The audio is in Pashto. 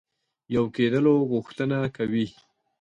یو کېدلو غوښتنه کوي.